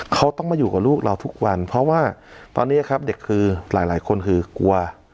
เขาต้องมาอยู่กับลูกเราทุกวันเพราะว่าตอนนี้ครับเด็กคือหลายคนคือกลัว